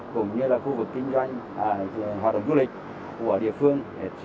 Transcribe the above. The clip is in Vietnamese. cũng như là khu vực kinh doanh hoạt động du lịch của địa phương